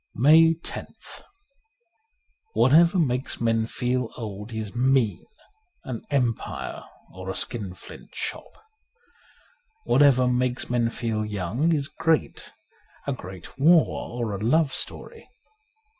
141 MAY loth WHATEVER makes men feel old is mean — an empire or a skin flint shop. Whatever makes men feel young is great — a great war or a love story.